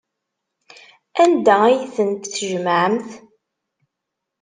Anda ay tent-tjemɛemt?